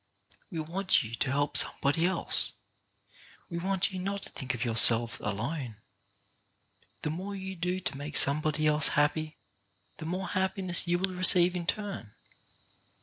We want you to help somebody else. We want you not to think of yourselves alone. The more you do to make somebody else happy, the more happiness will you receive in turn.